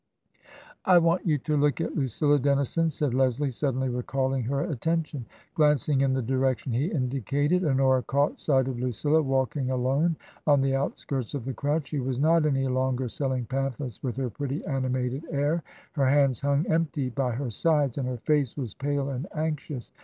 "I want you to look at Lucilla Dennison," said Leslie, suddenly recalling her attention. Glancing in the direction he indicated, Honora caught sight of Lucilla walking alone on the outskirts of the crowd ; she was not any longer selling pamphlets with her pretty animated air, her hands hung empty by her sides, and her face was pale and anxious.